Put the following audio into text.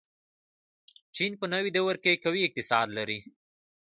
چین په نوې دور کې قوي اقتصاد لري.